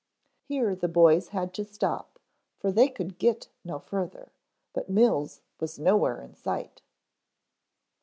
Here the boys had to stop for they could get no further, but Mills was nowhere in sight.